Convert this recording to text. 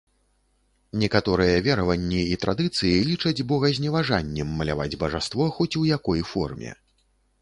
Некаторыя вераванні і традыцыі лічаць богазневажаннем маляваць бажаство хоць у якой форме.